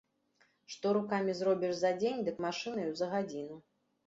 Што рукамі зробіш за дзень, дык машынаю за гадзіну.